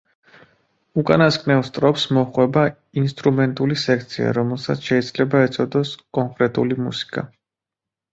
უკანასკნელ სტროფს მოჰყვება ინსტრუმენტული სექცია, რომელსაც შეიძლება ეწოდოს „კონკრეტული მუსიკა“.